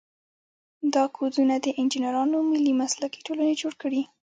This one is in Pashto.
دا کودونه د انجینرانو ملي مسلکي ټولنې جوړ کړي.